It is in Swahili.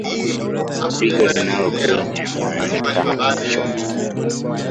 Pigo linalopenya moyoni kama kichomi